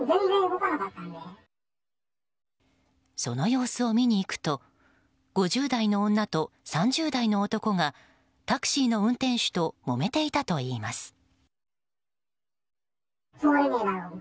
その様子を見に行くと５０代の女と３０代の男がタクシーの運転手ともめていたといいます。